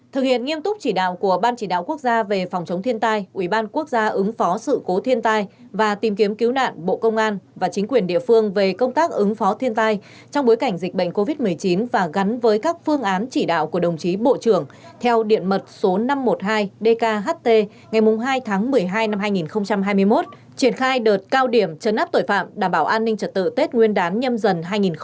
một thực hiện nghiêm túc chỉ đạo của ban chỉ đạo quốc gia về phòng chống thiên tai ủy ban quốc gia ứng phó sự cố thiên tai và tìm kiếm cứu nạn bộ công an và chính quyền địa phương về công tác ứng phó thiên tai trong bối cảnh dịch bệnh covid một mươi chín và gắn với các phương án chỉ đạo của đồng chí bộ trưởng theo điện mật số năm trăm một mươi hai dkht ngày hai tháng một mươi hai năm hai nghìn hai mươi một triển khai đợt cao điểm trấn áp tội phạm đảm bảo an ninh trật tự tết nguyên đán nhâm dần hai nghìn hai mươi hai